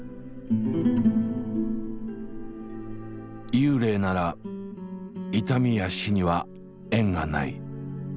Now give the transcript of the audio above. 幽霊なら痛みや死には縁がない。